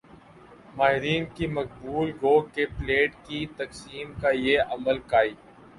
ماہرین کی بقول گو کہ پلیٹ کی تقسیم کا یہ عمل کئی